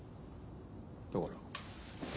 だから俺！